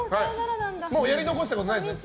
やり残したことないですね？